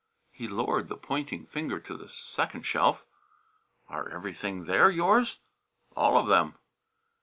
He lowered the pointing finger to the second shelf. "Are everything there yours?" "All of 'em!"